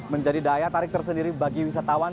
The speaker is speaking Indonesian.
menjadi daya tarik tersendiri bagi wisatawan